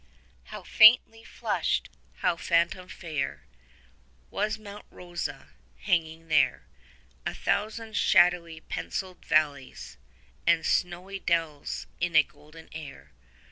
How faintly flushed, how phantom fair, 65 Was Monte Rosa, hanging there A thousand shadowy pencilled valleys And snowy dells in a golden air.